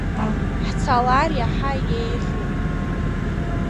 Ҳцалар иаҳа иеиӷьуп.